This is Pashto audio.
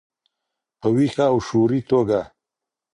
په ویښه او شعوري توګه.